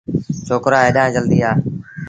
ڇوڪرآ هيڏآن جلديٚ آ۔